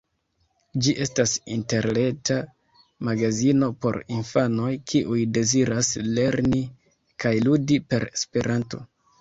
Ĝi estas interreta magazino por infanoj, kiuj deziras lerni kaj ludi per Esperanto.